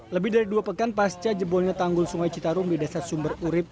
lebih dari dua pekan pasca jebolnya tanggul sungai citarum di desa sumber urib